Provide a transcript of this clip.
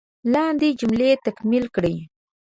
لاندې جملې تکمیل کړئ.